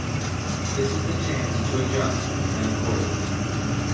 This is the chance to adjust the plan accordingly.